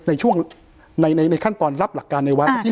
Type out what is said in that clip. ในช่วงในขั้นตอนรับหลักการในวัด